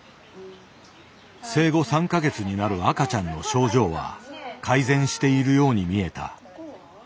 生後３か月になる赤ちゃんの症状は改善しているように見えた。